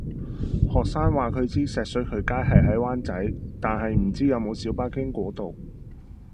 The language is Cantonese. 學生話佢知石水渠街係喺灣仔，但係唔知有冇小巴經嗰度